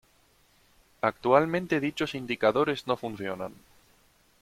Actualmente dichos indicadores no funcionan.